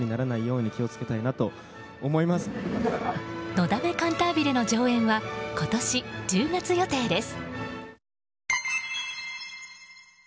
「のだめカンタービレ」の上演は今年１０月予定です。